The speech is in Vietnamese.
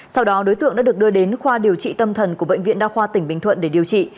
sau đó đối tượng đã được đưa đến khoa điều trị tâm thần của bệnh viện đa khoa tỉnh bình thuận để điều trị